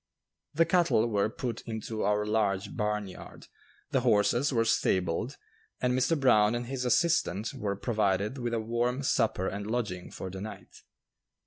The cattle were put into our large barnyard, the horses were stabled, and Mr. Brown and his assistant were provided with a warm supper and lodging for the night.